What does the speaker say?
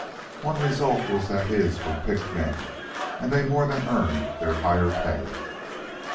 One result was that his were picked men, and they more than earned their higher pay.